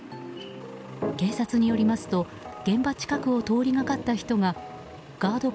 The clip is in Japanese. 警察によりますと現場近くを通りがかった人がガード